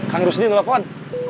kang rusdi nelfon